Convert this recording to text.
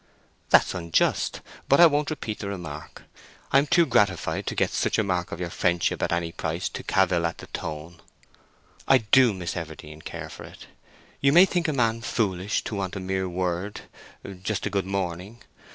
"That's unjust—but I won't repeat the remark. I am too gratified to get such a mark of your friendship at any price to cavil at the tone. I do, Miss Everdene, care for it. You may think a man foolish to want a mere word—just a good morning.